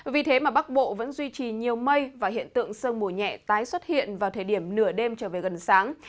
vì thế mà bắc bộ vẫn duy trì nhiều mây và hiện tượng sơn mùa nhẹ tái xuất hiện vào thời điểm nửa đêm trở về gần sáng